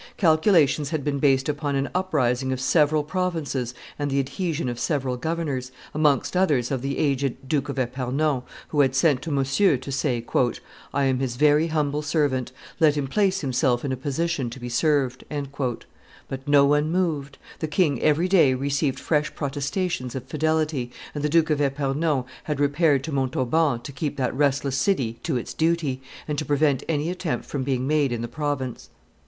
Calculations had been based upon an uprising of several provinces and the adhesion of several governors, amongst others of the aged Duke of Epernon, who had sent to Monsieur to say, "I am his very humble servant; let him place himself in a position to be served;" but no one moved, the king every day received fresh protestations of fidelity, and the Duke of Epernon had repaired to Montauban to keep that restless city to its duty, and to prevent any attempt from being made in the province.